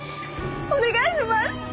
お願いします！